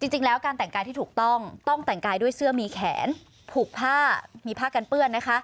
จริงแล้วการแต่งกายที่ถูกต้องต้องแต่งกายด้วยเสื้อมีแขนผูกผ้ามีผ้ากันเปื้อนนะคะ